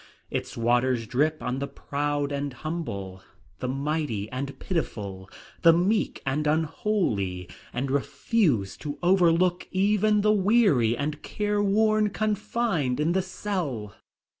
Its waters drip on the proud and humble, the mighty and pitiful, the meek and unholy, and refuse to overlook even the weary and careworn confined in the cell.